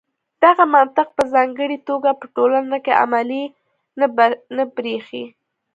دغه منطق په ځانګړې توګه په ټولنو کې عملي نه برېښي.